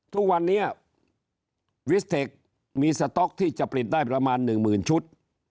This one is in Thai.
ทุกวันนี้วิสเทคมีสต๊อกที่จะผลิตได้ประมาณหนึ่งหมื่นชุด